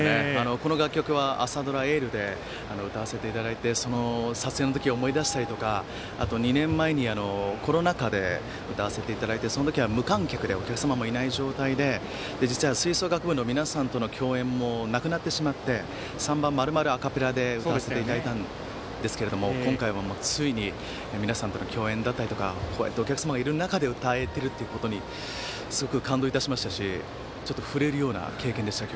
この楽曲は朝ドラ「エール」で歌わせていただいてその撮影の時を思い出したりとかあと２年前にコロナ禍で歌わせていただいてその時は無観客でお客様もいない状態で実は吹奏楽部の皆さんとの共演もなくなってしまって３番を丸々アカペラで歌わさせていただいたんですけれども今回はついに皆さんとの共演だったりお客さんのいる中で歌えているということにすごく感動いたしましたしちょっと震えるような経験でした。